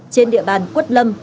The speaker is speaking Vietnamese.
trên địa bàn quất lâm